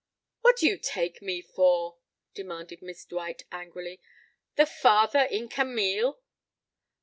"What do you take me for?" demanded Miss Dwight angrily. "The father in Camille?"